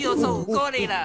ゴリラ。